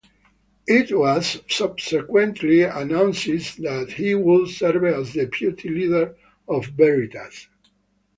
It was subsequently announced that he would serve as deputy leader of Veritas.